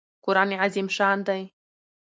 قران عظیم الشان دئ.